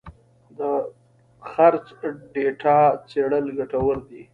د خرڅ ډیټا څېړل ګټور دي.